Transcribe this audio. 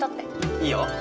いいよ。